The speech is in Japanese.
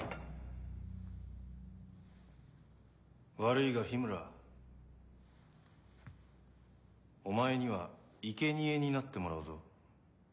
悪いが緋村お前にはいけにえになってもらうぞ。